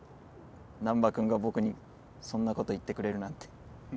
難破君が僕にそんなこと言ってくれるなんて